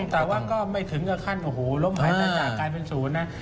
แต่ว่าก็ไม่ถึงกับขั้นโอ้โหล้มหายต่างกลายเป็นศูนย์นะ